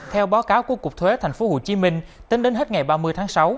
theo báo cáo của cục thuế thành phố hồ chí minh tính đến hết ngày ba mươi tháng sáu